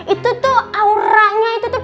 itu tuh auranya itu tuh